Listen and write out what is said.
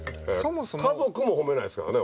家族も褒めないですからね